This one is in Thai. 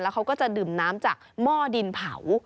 เขาก็จะดื่มน้ำจากหม้อดินเผา